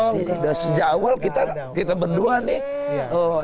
tidak sejak awal kita berdua nih